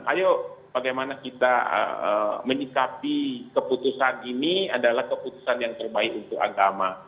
ayo bagaimana kita menyikapi keputusan ini adalah keputusan yang terbaik untuk agama